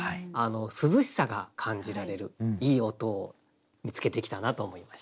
涼しさが感じられるいい音を見つけてきたなと思いました。